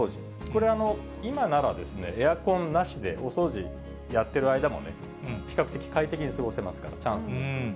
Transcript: これ、今ならエアコンなしで、お掃除やってる間もね、比較的快適に過ごせますから、チャンスです。